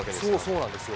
そうなんですよ。